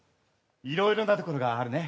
いろいろなところがあるね。